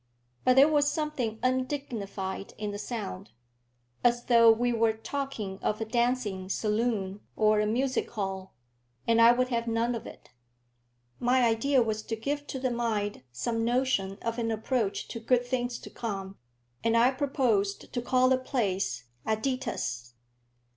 But there was something undignified in the sound, as though we were talking of a dancing saloon or a music hall, and I would have none of it. My idea was to give to the mind some notion of an approach to good things to come, and I proposed to call the place "Aditus."